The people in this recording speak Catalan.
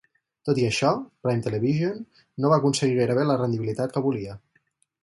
Tot i això, Prime Television no va aconseguir gairebé la rendibilitat que volia.